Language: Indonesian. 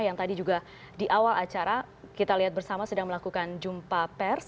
yang tadi juga di awal acara kita lihat bersama sedang melakukan jumpa pers